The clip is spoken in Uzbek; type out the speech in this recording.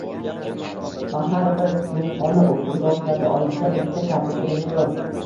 va har bir sinfxona o‘quv doskasi oldida bitta katta televizor.